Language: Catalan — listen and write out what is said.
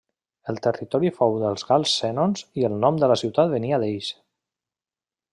El territori fou dels gals sènons i el nom de la ciutat venia d'ells.